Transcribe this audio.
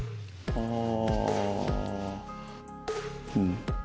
ああ。